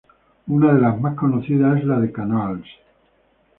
Una de las más conocidas es la de Canals.